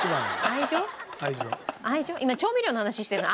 今調味料の話してるの。